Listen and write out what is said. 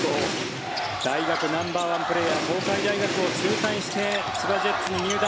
大学ナンバーワンプレーヤー東海大学を中退して千葉ジェッツに入団。